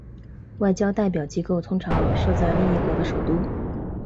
外交代表机构通常设在另一国的首都。